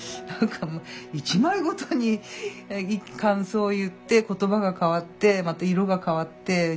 何かもう１枚ごとに感想を言って言葉が変わってまた色が変わって。